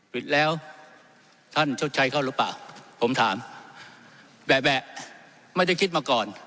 ปิดแล้วท่านชดใช้เขาหรือเปล่าผมถามแวะไม่ได้คิดมาก่อน